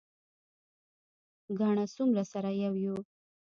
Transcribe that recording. ګڼه څومره سره یو یو.